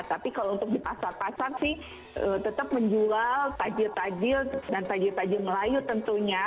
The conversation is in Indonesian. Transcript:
tapi kalau untuk di pasar pasar sih tetap menjual tajil tajil dan tajil tajil melayu tentunya